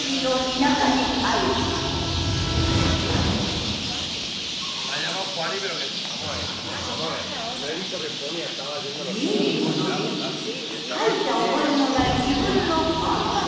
家に戻ると描いた覚えのない自分の漫画原稿が。